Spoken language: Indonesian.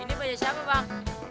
ini bajaj siapa bang